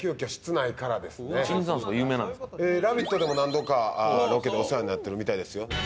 「ラヴィット！」でも何度かロケでお世話になってるみたいですよ。